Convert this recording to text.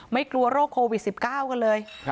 ไม่กลัวโรคโควิด๑๙กันเลย